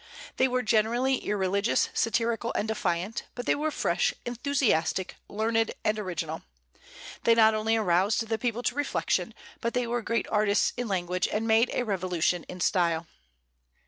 They were generally irreligious, satirical, and defiant; but they were fresh, enthusiastic, learned, and original They not only aroused the people to reflection, but they were great artists in language, and made a revolution in style.